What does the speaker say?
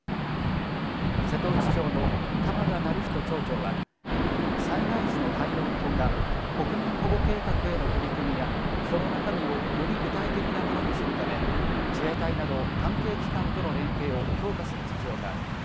瀬戸内町の鎌田愛人町長は災害時の対応のほか国民保護計画への取り組みやその中身をより具体的なものにするため自衛隊など関係機関との連携を強化する必要がある。